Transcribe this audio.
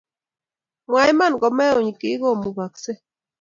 Mwaa iman komeuny kiy komukoksei